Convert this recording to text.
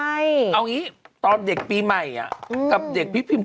เอางี้ตอนเด็กปีใหม่กับเด็กพี่พิม